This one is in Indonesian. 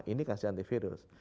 ini kasih antivirus